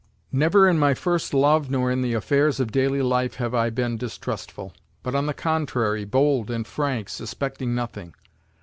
Never, in my first love, nor in the affairs of daily life have I been distrustful, but on the contrary, bold and frank, suspecting nothing.